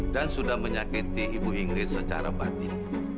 dan sudah menyakiti ibu ingrid secara batik